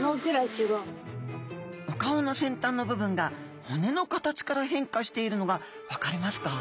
お顔のせんたんの部分が骨の形から変化しているのが分かりますか？